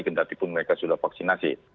ketika mereka sudah vaksinasi